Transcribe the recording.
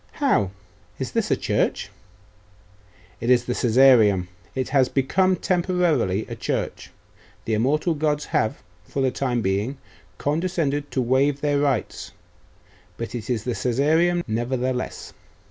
'How? Is this a church?' 'It is the Caesareum. It has become temporarily a church. The immortal gods have, for the time being, condescended to waive their rights; but it is the Caesareum, nevertheless.